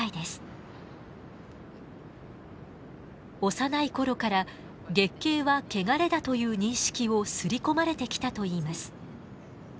幼い頃から月経は穢れだという認識をすり込まれてきたといいます。